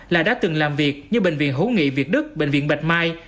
là đã từng làm việc như bệnh viện hữu nghị việt đức bệnh viện bạch mai